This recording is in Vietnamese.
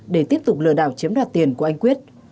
để tiếp tục lừa đảo chiếm đoạt tiền của anh quyết